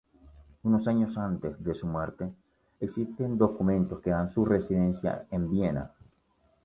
Un año antes de su muerte, existen documentos que dan su residencia en Viena.